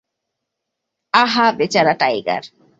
আহা, বেচারা টাইগার!